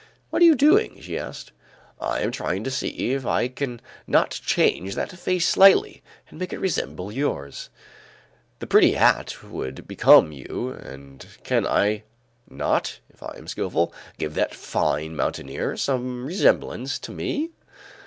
"What are you doing?" she asked. "I am trying to see if I can not change that face slightly and make it resemble yours. The pretty hat would become you and can I not, if I am skilful, give that fine mountaineer some resemblance to me?"